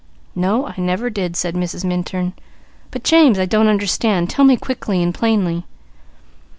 "No I never did," said Mrs. Minturn; "but James, I don't understand. Tell me quickly and plainly."